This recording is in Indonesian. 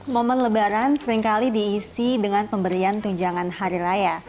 momen lebaran seringkali diisi dengan pemberian tunjangan hari raya